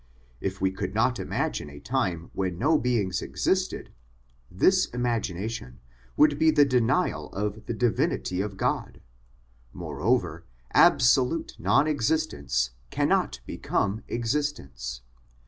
If we could imagine a time when no beings existed, this imagination would be the denial of the Divinity of God. Moreover, absolute non existence cannot become existence.